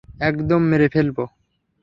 একদম মেরে ফেলবো।